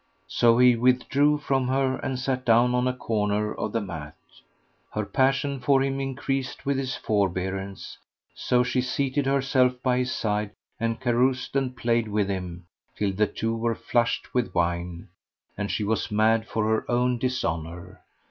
So he with drew from her, and sat down on a corner of the mat. Her passion for him increased with his forbearance; so she seated herself by his side and caroused and played with him, till the two were flushed with wine, and she was mad for her own dishonour.